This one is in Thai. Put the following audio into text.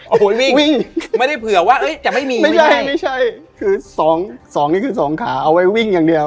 โอ้โหวิ่ง